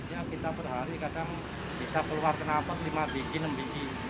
ya kita per hari kadang bisa keluar kenapa lima biji enam biji